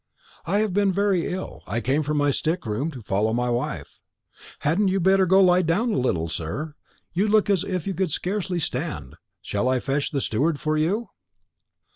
"I have been very ill. I came from a sick room to follow my wife." "Hadn't you better go and lie down a little, sir? You look as if you could scarcely stand. Shall I fetch the steward for you?"